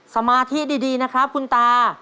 สมาธิดีนะครับคุณตา